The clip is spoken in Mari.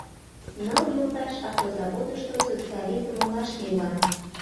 Ныл йолташ Автозаводышто, социализм олаште, ила.